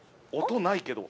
「音ないけど。